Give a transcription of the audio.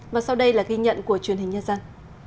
và sau đây là ghi nhận của truyền hình nhân dân